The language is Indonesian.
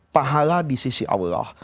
pahala di sisi allah